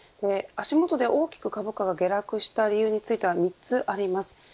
足元で大きく株価が下落した理由については３つあります。